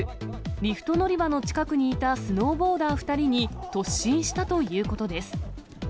リフト乗り場の近くにいたスノーボーダー２人に突進したということです。